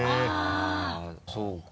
そうか。